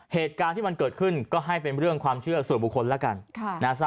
เหตุการณ์ที่มันเกิดขึ้นก็ให้เป็นเรื่องความเชื่อส่วนบุคคลแล้วกัน